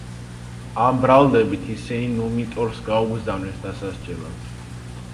ამ ბრალდებით ისინი ნუმიტორს გაუგზავნეს დასასჯელად.